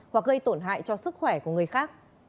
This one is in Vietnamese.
hoặc gây tổn hại cho sức khỏe của người khác